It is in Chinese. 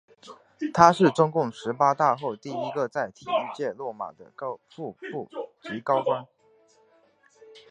他是中共十八大后第一个在体育界落马的副部级高官。